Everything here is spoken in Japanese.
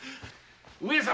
上様！